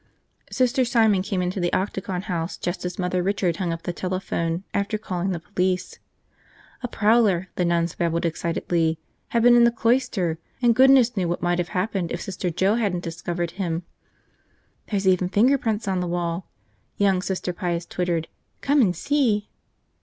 Sister Simon came into the Octagon House just as Mother Richard hung up the telephone after calling the police. A prowler, the nuns babbled excitedly, had been in the cloister and goodness knew what might have happened if Sister Joe hadn't discovered him. "There's even fingerprints on the wall!" young Sister Pius twittered. "Come and see!"